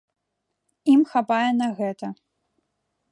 Ім хапае на гэта.